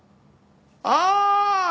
ああ！